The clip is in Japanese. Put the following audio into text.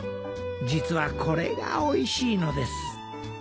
実はこれがおいしいのです。